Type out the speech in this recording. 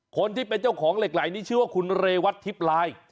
คนที่เป็นเจ้าของเหล็กไหลนี้ชื่อว่าคุณเรวัตทิพลาย